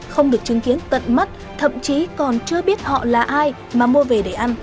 không được chứng kiến tận mắt thậm chí còn chưa biết họ là ai mà mua về để ăn